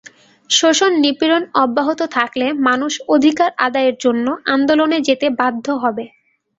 শোষণ-নিপীড়ন অব্যাহত থাকলে মানুষ অধিকার আদায়ের জন্য আন্দোলনে যেতে বাধ্য হবে।